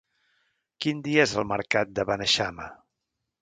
Quin dia és el mercat de Beneixama?